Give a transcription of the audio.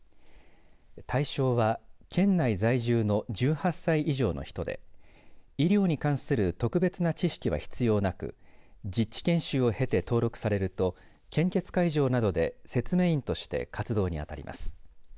対象は県内在住の１８歳以上の人で医療に関する特別な知識は必要なく実地研修を経て登録されると献血会場などで説明員として活動に当たります。